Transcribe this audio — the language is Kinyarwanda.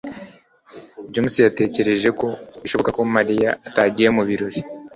james yatekereje ko bishoboka ko mariya atagiye mu birori